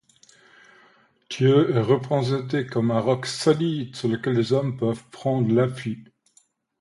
Dieu est représenté comme un roc solide sur lequel les hommes peuvent prendre appui.